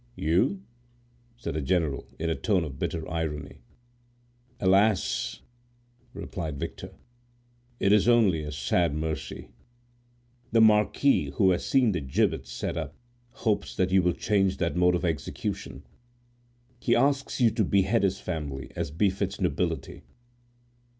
"You!" said the general, in a tone of bitter irony. "Alas!" replied Victor, "it is only a sad mercy. The marquis, who has seen those gibbets set up, hopes that you will change that mode of execution. He asks you to behead his family, as befits nobility."